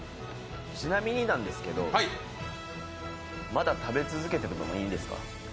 ちなみになんですけど、まだ食べ続けてた方がいいですか？